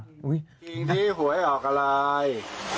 จริงที่หัวให้ออกอะไร